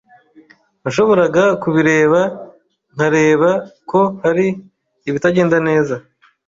Nashoboraga kubireba nkareba ko hari ibitagenda neza.